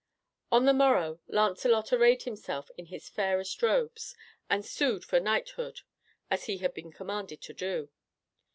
On the morrow, Lancelot arrayed himself in his fairest robes, and sued for knighthood, as he had been commanded to do.